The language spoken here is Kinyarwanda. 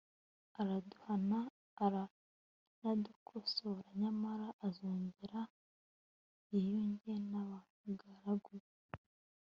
araduhana aranadukosora, nyamara azongera yiyunge n'abagaragu be